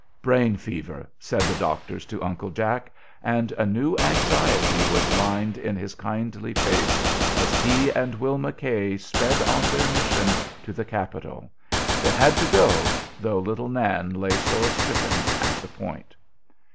"Brain fever," said the doctors to Uncle Jack, and a new anxiety was lined in his kindly face as he and Will McKay sped on their mission to the Capitol. They had to go, though little Nan lay sore stricken at the Point.